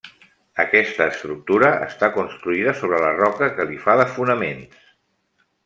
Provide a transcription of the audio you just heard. Aquesta estructura està construïda sobra la roca que li fa de fonaments.